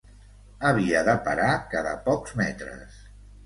Havia de parar cada pocs metres.